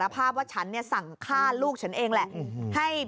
สารภาพว่าฉันเนี่ยสั่งฆ่าลูกฉันเองแหละ